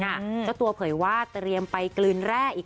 ดูจากหน้าตาสดใสขึ้นขนาดนี้